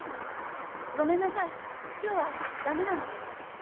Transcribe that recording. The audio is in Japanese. ごめんなさい今日はダメなの。